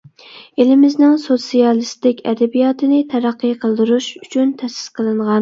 ئېلىمىزنىڭ سوتسىيالىستىك ئەدەبىياتىنى تەرەققىي قىلدۇرۇش ئۈچۈن تەسىس قىلىنغان.